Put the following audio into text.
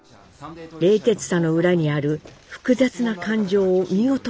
冷徹さの裏にある複雑な感情を見事に演じました。